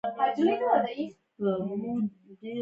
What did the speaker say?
څوکه د غره د ډېرې لوړې نقطې ته وایي.